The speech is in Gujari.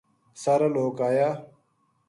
سارا لوک اَیا